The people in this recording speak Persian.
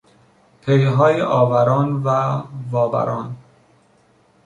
پیهای آوران و وابران